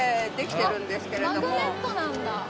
マグネットなんだ。